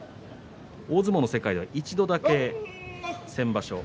大相撲の世界では一度だけ先場所